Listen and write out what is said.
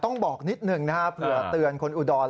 ต้องบอกนิดหนึ่งนะครับเผื่อเตือนคนอุดร